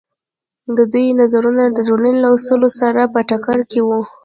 د دوی نظرونه د ټولنې له اصولو سره په ټکر کې وو.